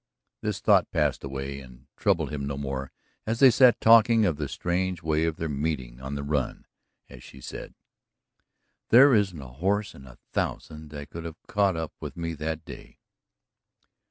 This thought passed away and troubled him no more as they sat talking of the strange way of their "meeting on the run," as she said. "There isn't a horse in a thousand that could have caught up with me that day."